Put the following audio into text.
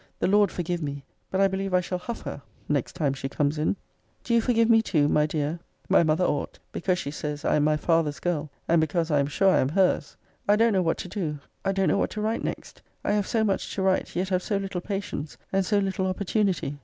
>>> The Lord forgive me; but I believe I shall huff her next time she comes in. Do you forgive me too, my dear my mother ought; because she says, I am my father's girl; and because I am sure I am her's. I don't kow what to do I don't know what to write next I have so much to write, yet have so little patience, and so little opportunity.